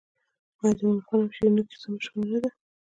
آیا د مومن خان او شیرینو کیسه مشهوره نه ده؟